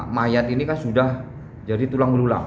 mayat ini kan sudah jadi tulang berulang